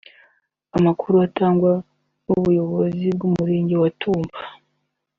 Amakuru atangwa n’ubuyobozi bw’Umurenge wa Tumba